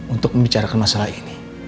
untuk membicarakan masalah ini